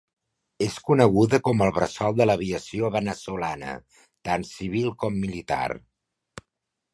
És coneguda com el bressol de l'aviació veneçolana, tant civil com militar.